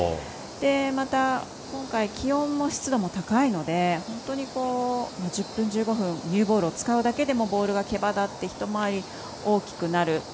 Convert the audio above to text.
また今回、気温も湿度も高いので本当に、１０分、１５分ニューボールを使うだけでボールがけばだって一回り、大きくなる。